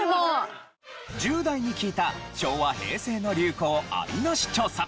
１０代に聞いた昭和・平成の流行アリナシ調査。